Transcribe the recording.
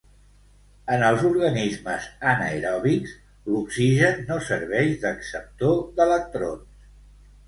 En els organismes anaeròbics, l'oxigen no serveix d'acceptor d'electrons.